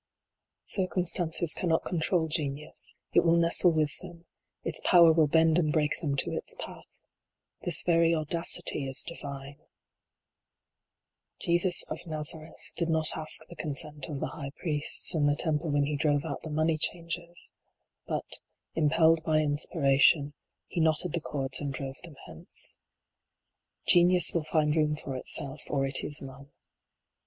Circumstances cannot control genius : it will nestle with them : its power will bend and break them to its path. This very audacity is divine. 63 64 GENIUS. Jesus of Nazareth did not ask the consent of the high priests in the temple when he drove out the "money changers ;" but, impelled by inspiration, he knotted the cords and drove them hence. Genius will find room for itself, or it is none.